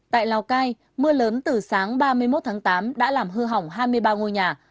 tại lào cai mưa lớn từ sáng ba mươi một tháng tám đã làm hư hỏng hai mươi ba ngôi nhà